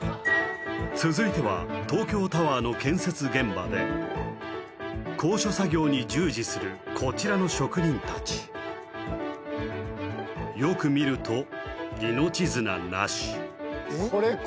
続いては東京タワーの建設現場で高所作業に従事するこちらの職人達よく見ると命綱なし